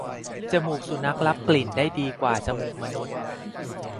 จมูกสุนัขรับกลิ่นได้ดีกว่าจมูกมนุษย์